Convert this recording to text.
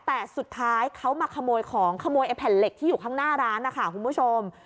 แต่สุดท้ายเขามาขโมยของขโมยไอ้แผ่นเหล็กที่อยู่ข้างหน้าร้านนะคะคุณผู้ชม